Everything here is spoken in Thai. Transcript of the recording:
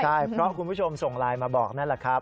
ใช่เพราะคุณผู้ชมส่งไลน์มาบอกนั่นแหละครับ